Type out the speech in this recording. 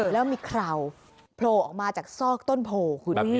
แล้วมีเคราโผล่ออกมาจากซอกต้นโพคุณ